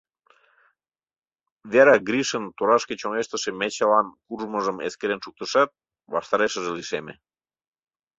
Вера Гришын торашке чоҥештыше мечылан куржмыжым эскерен шуктышат, ваштарешыже лишеме: